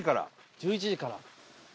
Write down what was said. １１時から？